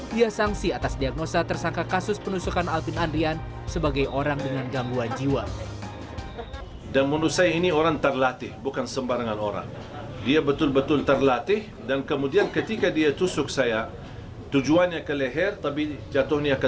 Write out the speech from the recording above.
dia sangsi atas diagnosa tersangka kasus penusukan alvin andrian sebagai orang dengan gangguan jiwa